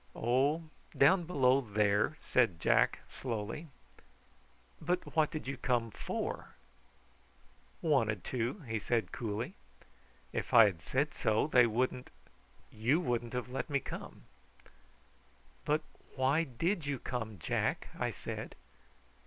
"Oh, down below there," said Jack slowly. "But what did you come for?" "Wanted to," he said coolly. "If I had said so, they wouldn't you wouldn't have let me come." "But why did you come, Jack?" I said.